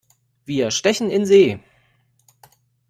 Wir stechen in See!